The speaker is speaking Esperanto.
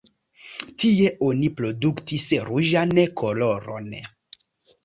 Tie oni produktis ruĝan koloron.